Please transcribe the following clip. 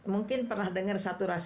mungkin pernah dengar saturasi oksigen